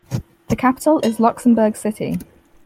The capital is Luxembourg City.